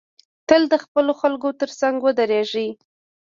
تل د خپلو خلکو تر څنګ ودریږی